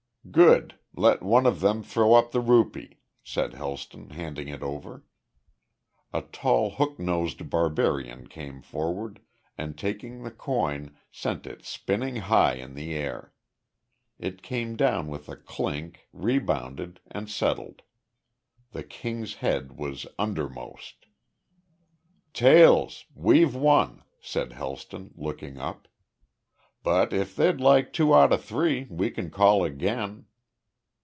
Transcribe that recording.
"Good. Let one of them throw up the rupee," said Helston, handing it over. A tall, hook nosed barbarian came forward, and taking the coin, sent it spinning high in the air. It came down with a clink, rebounded, and settled. The King's head was undermost. "`Tails.' We've won," said Helston, looking up. "But if they'd like two out of three, we can call again."